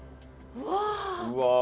うわ。